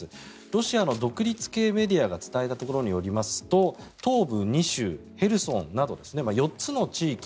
ロシアの独立系メディアが伝えたところによりますと東部２州ヘルソンなど４つの地域